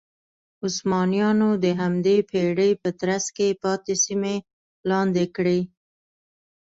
عثمانیانو د همدې پېړۍ په ترڅ کې پاتې سیمې لاندې کړې.